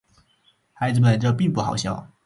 孩子们，这并不好笑。